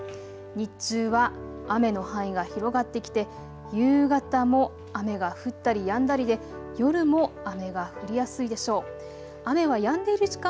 日中は雨の範囲が広がってきて夕方も雨が降ったりやんだりで夜も雨が降りやすいでしょう。